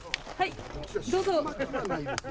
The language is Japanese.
どうぞ。